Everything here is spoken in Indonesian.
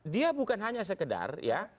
dia bukan hanya sekedar